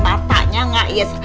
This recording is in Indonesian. matanya gak yes